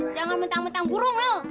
jangan mentang mentang burung loh